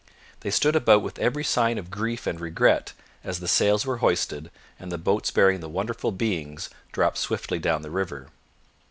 They stood about with every sign of grief and regret as the sails were hoisted and the boats bearing the wonderful beings dropped swiftly down the river.